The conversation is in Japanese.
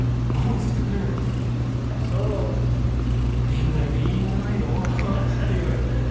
「出前でいいんじゃないの？」って言われて。